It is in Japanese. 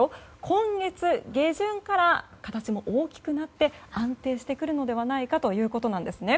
今月下旬から形も大きくなって安定してくるのではないかということなんですね。